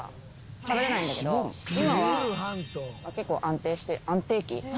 今は結構安定して安定期？